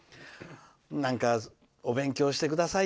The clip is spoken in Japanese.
なんかお勉強してください